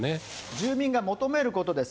住民が求めることです。